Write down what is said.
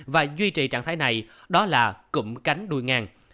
và duy trì trạng thái này đó là cụm cánh đùi ngang